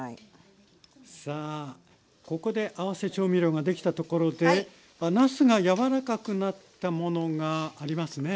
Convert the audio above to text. さあここで合わせ調味料ができたところでなすが柔らかくなったものがありますね